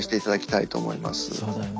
そうだよね。